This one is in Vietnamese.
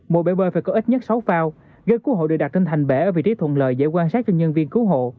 mỗi bể bơi phải có ít nhất sáu phao ghế cứu hộ được đặt trên thành bể ở vị trí thuận lợi dễ quan sát cho nhân viên cứu hộ